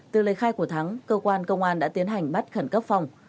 từ lời khai của thắng cơ quan công an đã tiến hành bắt khẩn cấp phòng